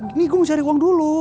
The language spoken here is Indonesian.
ini gue mau cari uang dulu